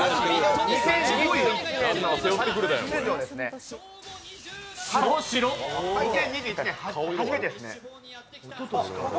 ２０２１年の初出場ですね。